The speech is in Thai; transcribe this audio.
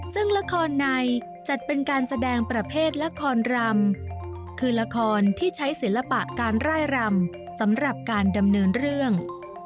ซึ่งละครในจัดเป็นการแสดงประเภทละครรำคือละครที่ใช้ศิลปะการร่ายรำสำหรับการดำเนินเรื่อง